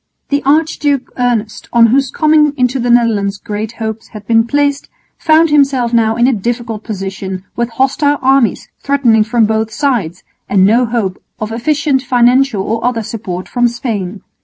The Archduke Ernest, on whose coming into the Netherlands great hopes had been placed, found himself now in a difficult position with hostile armies threatening from both sides and no hope of efficient financial or other support from Spain.